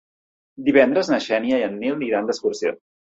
Divendres na Xènia i en Nil iran d'excursió.